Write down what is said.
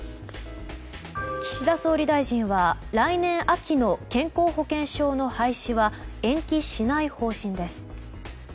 岸田総理大臣は来年秋の健康保険証の廃止は延期しない方針です。